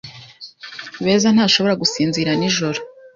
Beza ntashobora gusinzira nijoro.